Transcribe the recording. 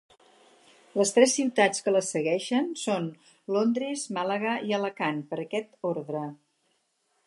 Les tres ciutats que les segueixen són Londres, Màlaga i Alacant, per aquest ordre.